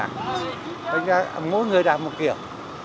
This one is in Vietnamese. thành ra mỗi người đạp một kiểu